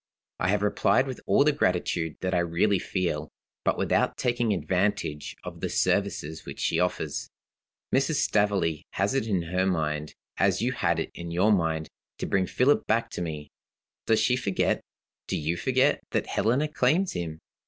I have replied with all the gratitude that I really feel, but without taking advantage of the services which she offers. Mrs. Staveley has it in her mind, as you had it in your mind, to bring Philip back to me. Does she forget, do you forget, that Helena claims him?